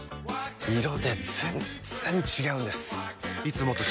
色で全然違うんです！